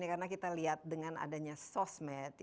karena kita lihat dengan adanya sosmed